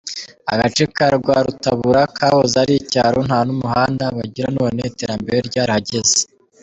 Agace ka Rwarutabura kahoze ari icyaro nta n'umuhanda bagira none iterambere ryarahageze.